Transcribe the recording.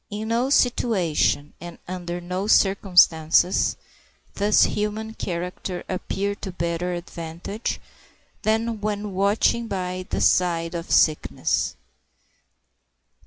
In no situation and under no circumstances does human character appear to better advantage than when watching by the side of sickness.